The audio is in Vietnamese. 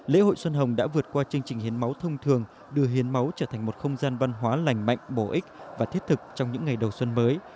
lễ hội xuân hồng đã vượt qua chương trình hiến máu thông thường đưa hiến máu trở thành một không gian văn hóa lành mạnh bổ ích và thiết thực trong những ngày đầu xuân mới